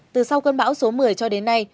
từ sau cơn bão số một mươi cho đến nay